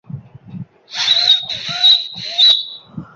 এই রুক্ষ সীমার মধ্যে এটি নিজের মধ্যে একটি পৃথিবী।